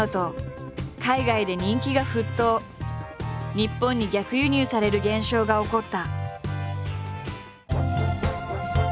日本に逆輸入される現象が起こった。